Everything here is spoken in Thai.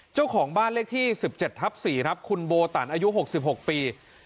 เจ้าของบ้านเลขที่๑๗ทับ๔ครับคุณโบตันอายุ๖๖ปี